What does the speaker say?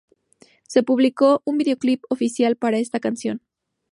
Se publicó un Videoclip oficial para esta canción.